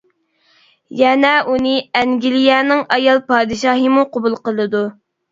يەنە ئۇنى ئەنگلىيەنىڭ ئايال پادىشاھىمۇ قوبۇل قىلىدۇ.